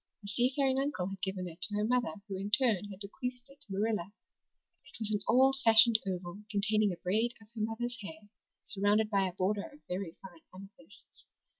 A seafaring uncle had given it to her mother who in turn had bequeathed it to Marilla. It was an old fashioned oval, containing a braid of her mother's hair, surrounded by a border of very fine amethysts.